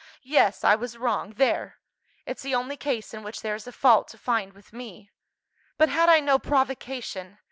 Yes, I was wrong, there: it's the only case in which there is a fault to find with me. But had I no provocation?